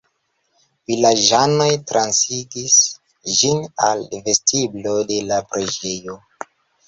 Vilaĝanoj transigis ĝin al vestiblo de la preĝejo.